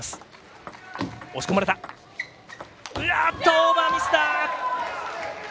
オーバーミスだ！